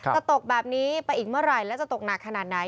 จะตกแบบนี้ไปอีกเมื่อไหร่และจะตกหนักขนาดไหน